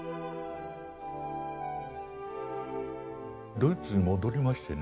ドイツに戻りましてね